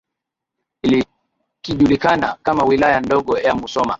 likijulikana kama Wilaya Ndogo ya Musoma